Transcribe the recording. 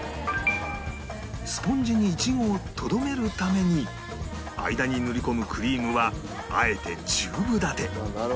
スポンジにイチゴをとどめるために間に塗り込むクリームはあえて１０分立て